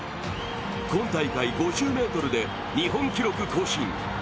今大会５０ｍで日本記録を更新。